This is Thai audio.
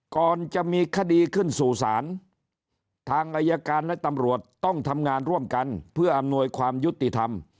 ก่อนจะมีคดีขึ้นสู่ศาลทางอายการและตำรวจต้องทำงานร่วมกันเพื่ออำนวยความยุติธรรม